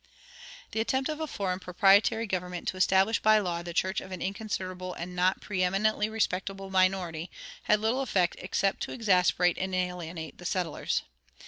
[65:1] The attempt of a foreign proprietary government to establish by law the church of an inconsiderable and not preëminently respectable minority had little effect except to exasperate and alienate the settlers.